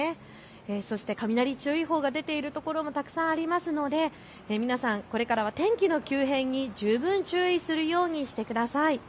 そして雷注意報が出ているところもたくさんあるので皆さん、これからは天気の急変に十分注意するようにしてください。